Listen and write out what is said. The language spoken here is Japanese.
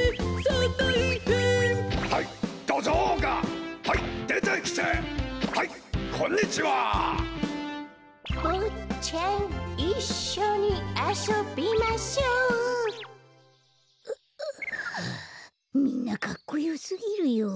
たいへんはいどじょうがはいでてきてはいこんにちはぼっちゃんいっしょにあそびましょうはあみんなかっこよすぎるよ。